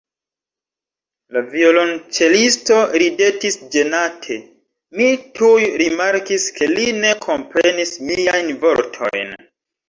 La violonĉelisto ridetis ĝenate; mi tuj rimarkis, ke li ne komprenis miajn vortojn.